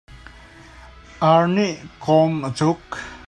Ar nih kawm a cuk.